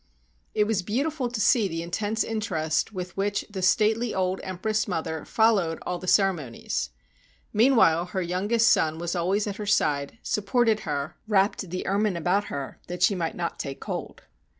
It was beautiful to see the intense interest with which the stately old empress mother followed all the cere monies. Meanwhile her youngest son was always at her side, supported her, wrapped the ermine about her that she might not take cold.